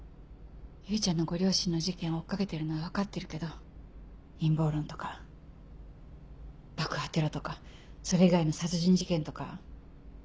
唯ちゃんのご両親の事件を追っ掛けてるのは分かってるけど陰謀論とか爆破テロとかそれ以外の殺人事件とか。